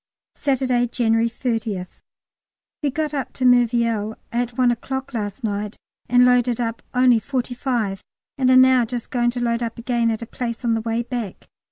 Saturday, January 30th. We got up to Merville at one o'clock last night, and loaded up only forty five, and are now just going to load up again at a place on the way back.